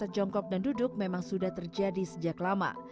jongkok dan duduk memang sudah terjadi sejak lama